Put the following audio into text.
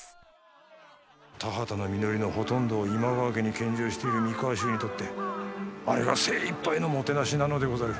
田畑の実りのほとんどを今川家に献上している三河衆にとってあれが精いっぱいのもてなしなのでござる。